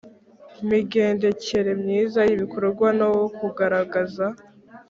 Migendekere myiza y ibikorwa no kugaragaza